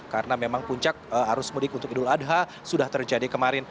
karena memang puncak arus mudik untuk idul adha sudah terjadi kemarin